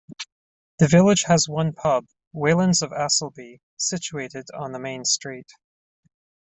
The village has one pub, Whelans of Asselby, situated on Main Street.